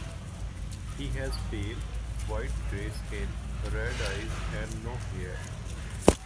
He has pale, white-grey skin, red eyes and no hair.